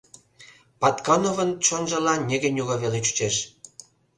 Паткановын чонжылан ньыге-нюго веле чучеш.